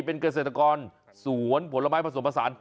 เศรษฐกรสวนผลไม้ผสมผสาน